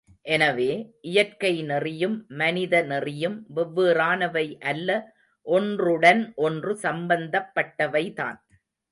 எனவே, இயற்கை நெறியும், மனிதநெறியும் வெவ்வேறானவை அல்ல ஒன்றுடன் ஒன்று சம்பந்தப்பட்டவை தான்.